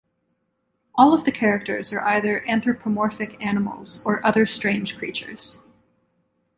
All of the characters are either anthropomorphic animals or other strange creatures.